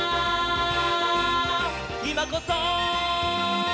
「いまこそ！」